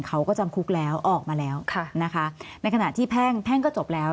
เขาก็จำคุกแล้วออกมาแล้วนะคะในขณะที่แพ่งแพ่งก็จบแล้ว